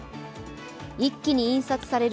一気に印刷される